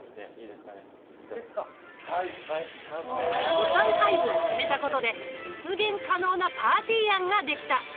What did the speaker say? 予算配分を決めたことで実現可能なパーティー案ができた。